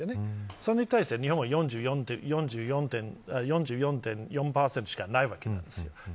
それに対して日本は４４．４％しかないわけなんですよ。